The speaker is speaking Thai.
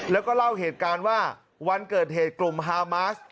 แล้วก็เล่าเหตุการณ์ว่าวันเกิดเหตุกลุ่มฮามาส